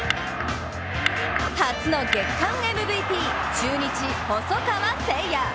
初の月間ＭＶＰ、中日・細川成也。